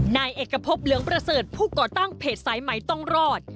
นายเอกพบเหลืองประเสริฐผู้ก่อตั้งเพจสายใหม่ต้องรอด